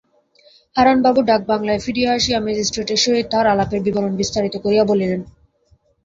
হারানবাবু ডাকবাংলায় ফিরিয়া আসিয়া ম্যাজিস্ট্রেটের সহিত তাঁহার আলাপের বিবরণ বিস্তারিত করিয়া বলিলেন।